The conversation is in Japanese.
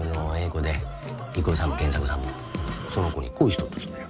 子で郁夫さんも賢作さんもその子に恋しとったそうや。